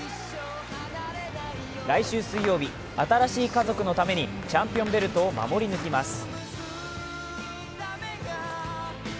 来週水曜日、新しい家族のためにチャンピオンベルトを守り抜きます。